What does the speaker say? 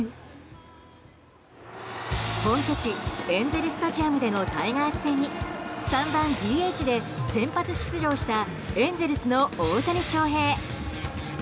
本拠地エンゼル・スタジアムでのタイガース戦に３番ＤＨで先発出場したエンゼルスの大谷翔平。